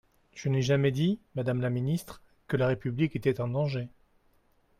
Je n’ai jamais dit, madame la ministre, que la République était en danger.